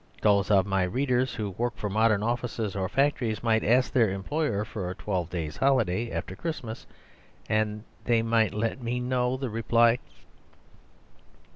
Those of my readers who work for modern offices or factories might ask their employers for twelve days' holidays after Christmas. And they might let me know the reply.